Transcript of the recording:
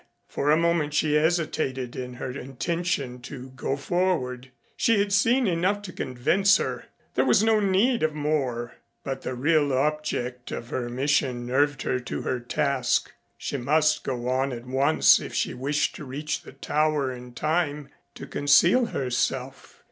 For a moment she hesitated in her intention to go forward. She had seen enough to convince her. There was no need of more. But the real object of her mission nerved her to her task. She must go on at once if she wished to reach the Tower in time to conceal herself.